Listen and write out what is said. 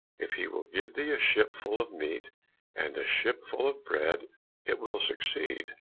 If he will give thee a ship full of meat, and a ship full of bread, it will succeed.